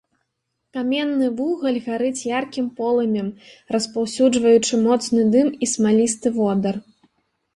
Каменны вугаль гарыць яркім полымем, распаўсюджваючы моцны дым і смалісты водар.